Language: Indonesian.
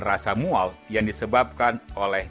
rasa mual yang disebabkan oleh